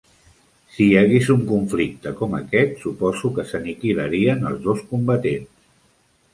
Si hi hagués un conflicte com aquest, suposo que s'aniquilarien els dos combatents.